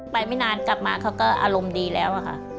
ไปไม่นานกลับมาเขาก็อารมณ์ดีแล้ว